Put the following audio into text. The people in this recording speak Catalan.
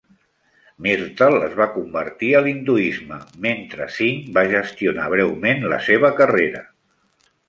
Myrtle es va convertir a l'hinduisme, mentre Singh va gestionar breument la seva carrera.